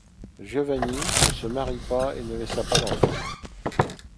Giovanni ne se marie pas et ne laisse pas d'enfants.